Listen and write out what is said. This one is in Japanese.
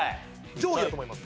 上位やと思います。